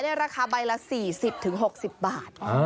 ราคาใบละ๔๐๖๐บาท